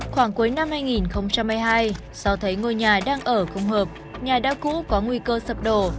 khoảng cuối năm hai nghìn hai mươi hai do thấy ngôi nhà đang ở không hợp nhà đa cũ có nguy cơ sập đổ